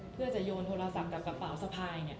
เพื่อจะโยนโทรศัพท์กับกระเป๋าสะพาย